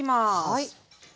はい。